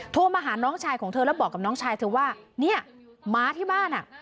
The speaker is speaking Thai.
โทรมาหาน้องชายของเธอแล้วบอกกับน้องชายเธอว่าเนี่ยม้าที่บ้านอ่ะ